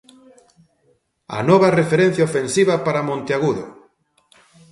A nova referencia ofensiva para Monteagudo.